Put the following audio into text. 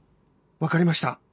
わかりました。